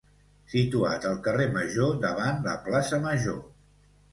Situat al carrer Major, davant la plaça Major.